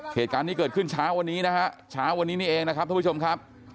เหตุการณ์นี้เกิดขึ้นเช้าวันนี้นะฮะเช้าวันนี้นี่เองนะครับท่านผู้ชมครับ